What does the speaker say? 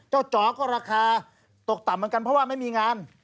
จ๋อก็ราคาตกต่ำเหมือนกันเพราะว่าไม่มีงาน